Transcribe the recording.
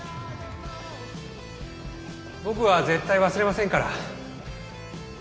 僕は絶対忘れませんから。